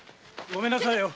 ごめんなさいよ。